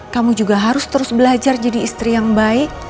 kamu juga harus terus belajar jadi istri yang baik